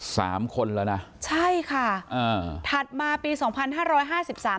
สามคนแล้วนะใช่ค่ะอ่าถัดมาปีสองพันห้าร้อยห้าสิบสาม